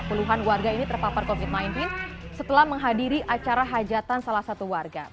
puluhan warga ini terpapar covid sembilan belas setelah menghadiri acara hajatan salah satu warga